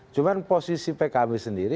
cuman posisi pkb sendiri